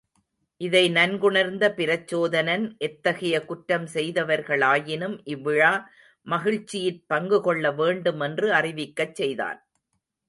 இதை நன்குணர்ந்த பிரச்சோதனன், எத்தகைய குற்றம் செய்தவர்களாயினும் இவ்விழா மகிழ்ச்சியிற் பங்குகொள்ள வேண்டும் என்று அறிவிக்கச் செய்தான்.